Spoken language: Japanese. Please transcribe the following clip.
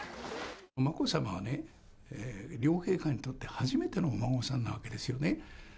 眞子さまはね、両陛下にとって初めてのお孫さんなわけですよね。